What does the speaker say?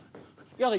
やだ